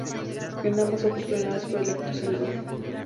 En ambas oportunidades fue electo Senador.